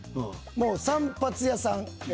もう散髪屋さん